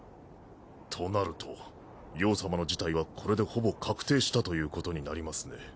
となると葉様の辞退はこれでほぼ確定したということになりますね。